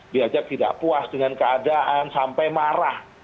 diajak tidak puas dengan keadaan sampai marah